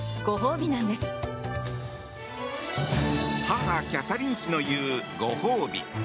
母キャサリン妃の言うご褒美。